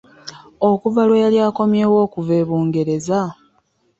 Okuva lwe yali akomyewo okuva e Bungereza?